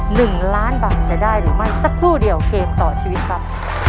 หนึ่งล้านบาทจะได้หรือไม่สักครู่เดียวเกมต่อชีวิตครับ